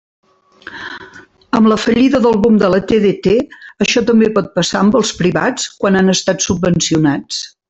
Amb la fallida del boom de la TDT això també pot passar amb els privats quan han estat subvencionats.